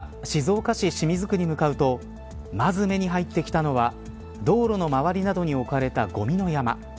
取材班が静岡市清水区に向かうとまず目に入ってきたのは道路の周りなどに置かれたごみの山。